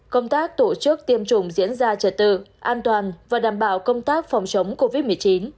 công tác tổ chức tiêm chủng diễn ra trật tự an toàn và đảm bảo công tác phòng chống covid một mươi chín